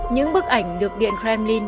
những bức ảnh được điện kremlin đăng